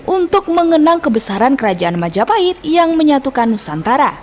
untuk mengenang kebesaran kerajaan majapahit yang menyatukan nusantara